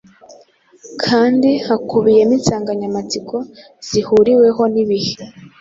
kandi ikubiyemo insanganyamatsiko zihuriweho n'ibihe,